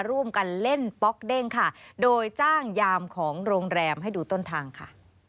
ร่วมกันเล่นป๊อกเด้งค่ะโดยจ้างยามของโรงแรมให้ดูต้นทางค่ะ